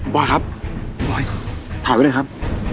บอกครับพอไว้ถ่ายไว้ด้วยครับ